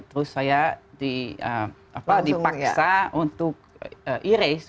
terus saya dipaksa untuk erase